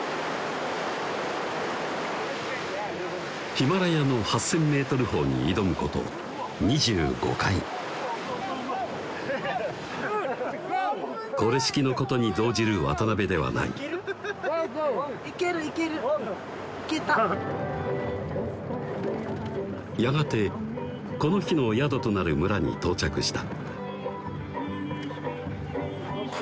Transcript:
ヒマラヤの８，０００ｍ峰に挑むこと２５回これしきのことに動じる渡ではない行ける行ける行けたやがてこの日の宿となる村に到着した